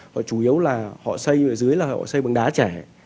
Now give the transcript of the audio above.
họ chủ yếu là họ xây ở dưới là họ xây bằng đá trẻ